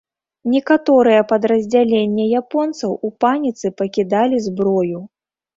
Некаторыя падраздзялення японцаў у паніцы пакідалі зброю.